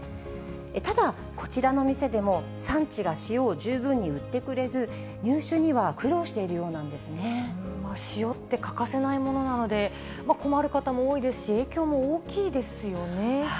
ただ、こちらの店でも、産地が塩を十分に売ってくれず、入手には苦労しているようなんで塩って欠かせないものなので、困る方も多いですし、影響も大きいですよね。